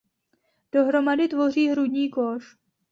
Dohromady tvoří hrudní koš.